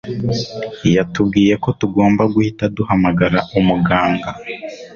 Yatubwiye ko tugomba guhita duhamagara umuganga.